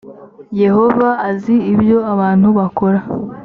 yehova azi ibyo abantu bakora